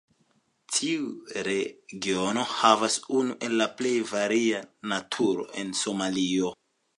Tiu regiono havas unu el la plej varia naturo en Somalio.